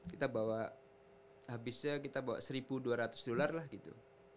kita bawa abisnya kita bawa seribu dua ratus dollar lah gitu